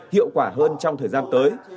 hiệu quả hơn trong thời gian tới